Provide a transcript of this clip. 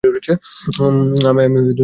আমি নায়না জয়সওয়াল।